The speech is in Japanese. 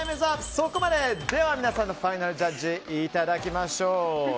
そこまででは皆さんのファイナルジャッジいただきましょう。